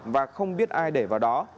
và không biết ai để vào đó